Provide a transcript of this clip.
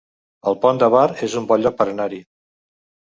El Pont de Bar es un bon lloc per anar-hi